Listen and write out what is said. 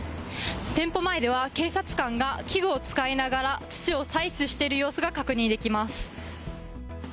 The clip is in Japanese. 店舗前では警察官が器具を使いながら土を採取している様子が確認できます。